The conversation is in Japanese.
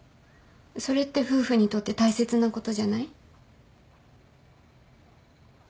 それって夫婦にとって大切なことじゃない？